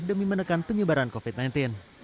demi menekan penyebaran covid sembilan belas